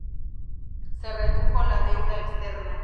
Se redujo la deuda externa.